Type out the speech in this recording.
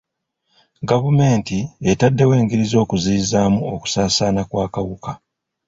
Gavumenti etaddewo engeri z'okuziyizaamu okusaasaana kw'akawuka.